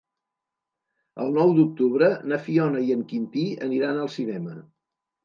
El nou d'octubre na Fiona i en Quintí aniran al cinema.